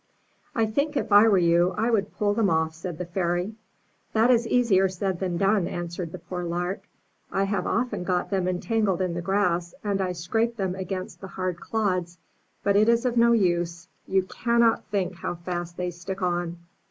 "I think, if I were you, I would pull them off," said the Fairy. 'That is easier said than done," answered the poor Lark, "I have often got them entangled in the grass, and I scrape them against the hard clods; but it is of no use. You cannot think how fast they stick on."